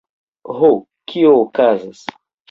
Ho, kio okazas?